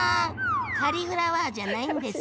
カリフラワーじゃないんですね。